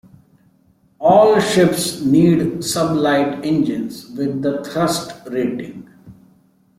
All ships need sublight engines with a Thrust Rating.